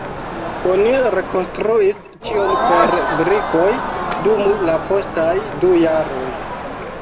Oni rekonstruis ĉion per brikoj dum la postaj du jaroj.